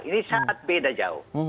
ini sangat beda jauh